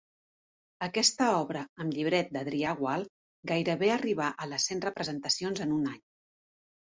Aquesta obra, amb llibret d'Adrià Gual gairebé arribà a les cent representacions en un any.